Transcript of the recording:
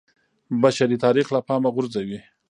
بشري تاریخ له پامه غورځوي